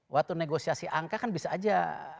waktu negosiasi angka kan bisa aja